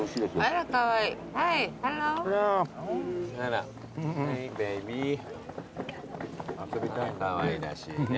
あらかわいらしいね。